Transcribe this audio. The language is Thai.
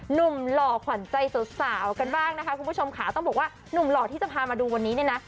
หนุ่มหล่อขวานใจเซอร์สาวกันบ้างนะคะคุณผู้ชมขาวต้องบอกว่านุ่มหล่อที่จะพามาดูวันนี้นะ